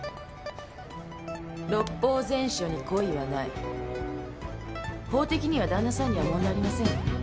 「六法全書に恋はない」法的には旦那さんには問題ありませんよ。